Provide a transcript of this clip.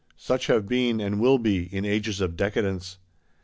Such have been, and will be; in ages of decadence.